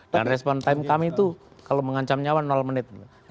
dan respon time kami itu kalau mengancam nyawa menit